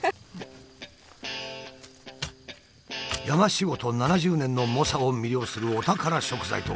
山仕事７０年の猛者を魅了するお宝食材とは。